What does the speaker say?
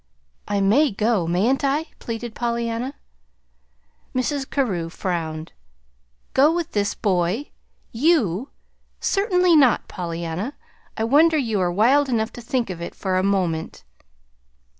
"I may go, mayn't I?" pleaded Pollyanna. Mrs. Carew frowned. "Go with this boy YOU? Certainly not, Pollyanna! I wonder you are wild enough to think of it for a moment."